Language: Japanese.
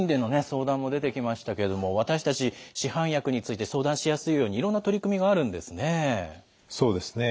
相談も出てきましたけれども私たち市販薬について相談しやすいようにいろんな取り組みがあるんですね。